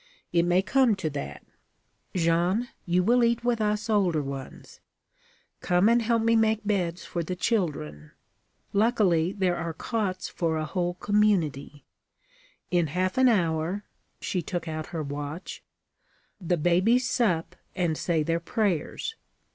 It may come to that. Jeanne, you will eat with us older ones. Come and help me make beds for the children. Luckily, there are cots for a whole community. In half an hour' she took out her watch 'the babies sup and say their prayers.